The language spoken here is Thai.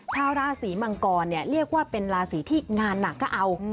ชาวราศีมังกรเรียกว่าเป็นราศีที่งานหนักก็เอา